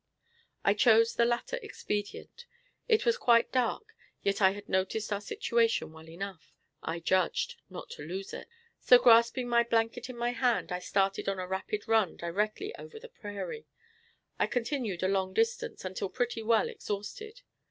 I chose the latter expedient. It was quite dark, yet I had noticed our situation well enough, I judged, not to lose it. So grasping my blanket in my hand, I started on a rapid run directly over the prairie. I continued a long distance, until pretty well exhausted.